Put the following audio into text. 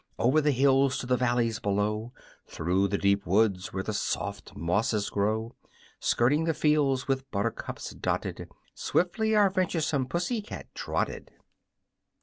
Over the hills to the valleys below, Through the deep woods where the soft mosses grow, Skirting the fields, with buttercups dotted, Swiftly our venturesome Pussy cat trotted.